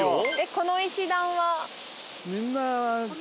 この石段は？